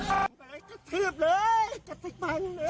ตอนนั้นเจอเสียงปืนแล้วใช่ไหมฮะ